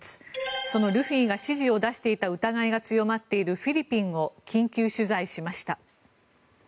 そのルフィが指示を出していた疑いが強まっているフィリピンを緊急取材しました。